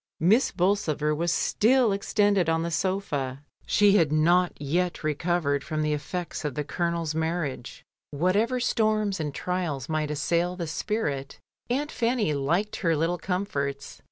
Miss Bolsover was still extended on the sofa, she had LONDON CIXY. 1 49 not yet recovered from the effects of the Colonel's marriage. Whatever storms and trials might assail the spirit, Aimt Fanny liked her little comforts.